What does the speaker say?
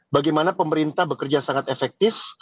bagaimana pemerintah bekerja sangat efektif